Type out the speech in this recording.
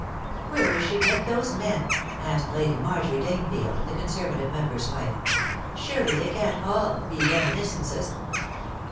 "Where does she get those men?" asked Lady Marjorie Danefield, the Conservative member's wife ;" surely they can't all be reminiscences."